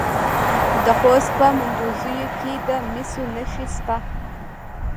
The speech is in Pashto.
د خوست په مندوزیو کې د مسو نښې شته.